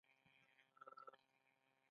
د اجتماعي اړيکو دغه شبکه استعمال کړي.